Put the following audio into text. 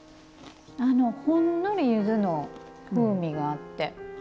ほんのり柚子の風味があって。